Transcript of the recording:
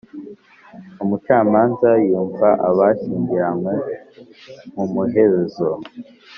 Umucamanza yumva abashyingiranywe mu muhezo